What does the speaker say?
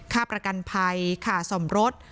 ค่าประกันภัยค่าซ่อมรถ